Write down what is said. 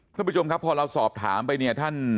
ถ้าพวกเราสอบถามไป